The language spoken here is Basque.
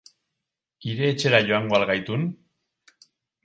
Hire etxera joango al gaitun?